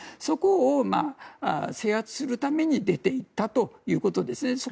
そこを制圧するために出て行ったということですね。